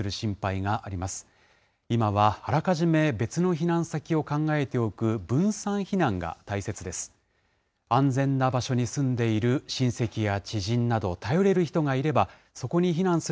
今はあらかじめ別の避難先を考えておく分散避難が大切です。